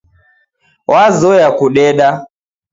W'azoya kudeda